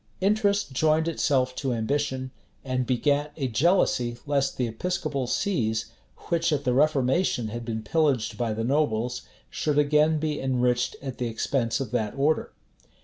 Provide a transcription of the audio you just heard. Interest joined itself to ambition, and begat a jealousy lest the episcopal sees, which at the reformation had been pillaged by the nobles, should again be enriched at the expense of that order.